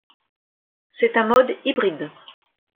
C'est un mode hybride.